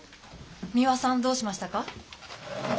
三輪さんどうしましたか？